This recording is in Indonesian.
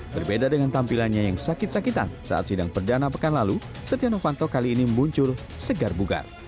berbeda dengan tampilannya yang sakit sakitan saat sidang perdana pekan lalu setia novanto kali ini muncul segar bugar